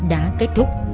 đã kết thúc